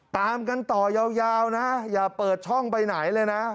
ตามกันต่อยาวนะอย่าเปิดช่องไปไหนเลยนะ